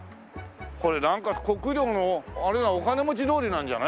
これなんか国領のあれだお金持ち通りなんじゃない？